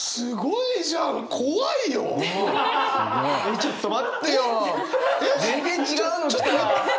ちょっと待って。